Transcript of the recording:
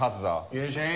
よいしょい。